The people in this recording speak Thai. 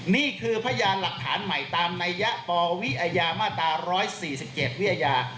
นี่คือพยานหลักฐานใหม่ตามนัยยะปวิอาญามาตรา๑๔๗วิทยา